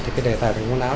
thì cái đề tài về môn áo